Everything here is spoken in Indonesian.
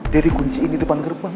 dia digunciin di depan gerbang